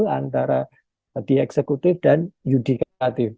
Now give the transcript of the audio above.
antara di eksekutif dan yudikatif